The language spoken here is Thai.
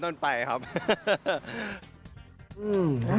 คุณเชื่อว่าหลายคนรอแล้วก็คุณพ่อคุณแม่ก็รอด้วยครับ